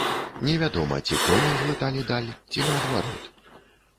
Невядома, ці коні глыталі даль, ці наадварот.